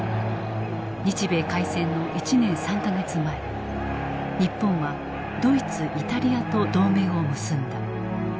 日米開戦の１年３か月前日本はドイツイタリアと同盟を結んだ。